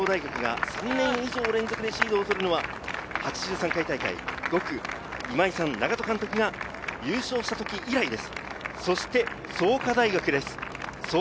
順天堂大学が３年以上連続でシードを取るのは８３回大会、５区・今井さん、長門監督が優勝した時以来です。